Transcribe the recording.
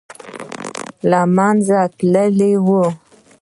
له منځه تللی وو.